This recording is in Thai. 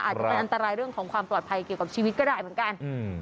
อาจจะเป็นอันตรายเรื่องของความปลอดภัยเกี่ยวกับชีวิตก็ได้เหมือนกัน